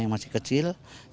yang masih di jakarta